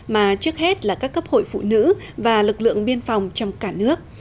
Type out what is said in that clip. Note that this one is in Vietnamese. mà trước hết là các cấp hội phụ nữ và lực lượng biên phòng trong cả nước